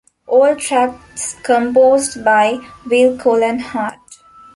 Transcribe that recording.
All tracks composed by Will Cullen Hart.